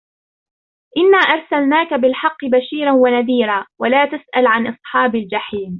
إنا أرسلناك بالحق بشيرا ونذيرا ولا تسأل عن أصحاب الجحيم